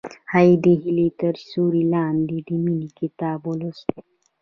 هغې د هیلې تر سیوري لاندې د مینې کتاب ولوست.